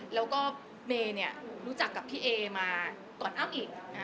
แล้วก็เมย์เนี่ยรู้จักกับพี่เอมาก่อนอ้ำอีก